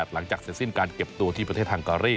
หลังจากเสร็จสิ้นการเก็บตัวที่ประเทศฮังการี